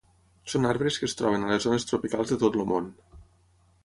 Són arbres que es troben a les zones tropicals de tot el món.